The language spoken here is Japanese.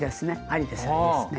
ありですありですね。